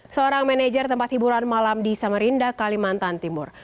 seorang manajer tempat hiburan malam di samarinda kalimantan timur